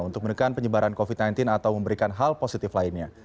untuk menekan penyebaran covid sembilan belas atau memberikan hal positif lainnya